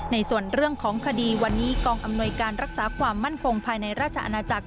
ในส่วนของคดีวันนี้กองอำนวยการรักษาความมั่นคงภายในราชอาณาจักร